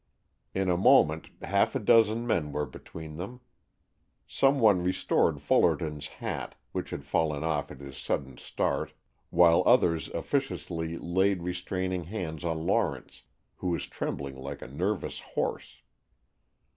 In a moment half a dozen men were between them. Some one restored Fullerton's hat, which had fallen off at his sudden start, while others officiously laid restraining hands on Lawrence, who was trembling like a nervous horse.